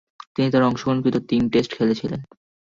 তিনি তার অংশগ্রহণকৃত তিন টেস্ট খেলেছিলেন।